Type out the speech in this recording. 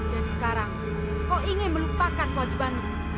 dan sekarang kau ingin melupakan wajibamu